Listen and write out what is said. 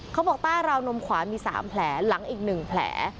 เขาบอกใต้ราวนมขวามี๓แผลหลังอีก๑แผล